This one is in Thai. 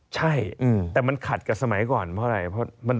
ใช่แต่มันขัดกับสมัยก่อนเพราะอะไร